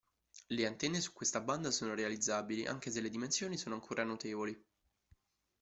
Le antenne su questa banda sono realizzabili, anche se le dimensioni sono ancora notevoli.